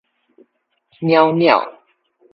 裊裊